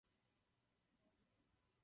Nejblíže příbuzným rodem je "Vaccinium".